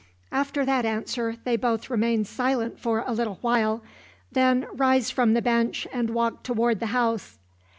After that answer they both remain silent for a little while, then rise from the bench and walk toward the house.